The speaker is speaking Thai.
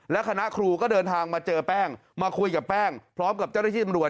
และคณะครูก็เดินทางมาเจอแป้งมาคุยกับแป้งพร้อมกับเจ้าหน้าที่ตำรวจ